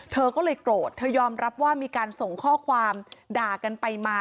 เธอก็เลยโกรธเธอยอมรับว่ามีการส่งข้อความด่ากันไปมา